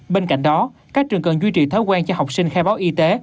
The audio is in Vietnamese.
bên cạnh đó các trường cần duy trì thói quen cho học sinh khai báo y tế